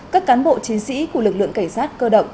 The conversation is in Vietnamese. các cán bộ chiến sĩ của lực lượng cảnh sát cơ động